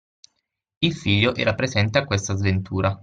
Il figlio era presente a questa sventura